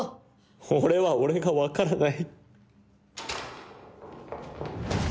俺は俺が分からない。